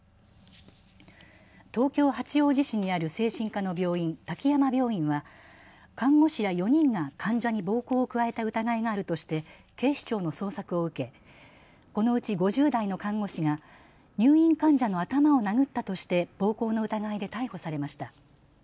東京八王子市にある精神科の病院滝山病院は看護師ら４人が患者に暴行を加えた疑いがあるとして警視庁の捜索を受けこのうち５０代の看護師が入院患者の頭を殴ったとして暴行の疑いで逮捕されました。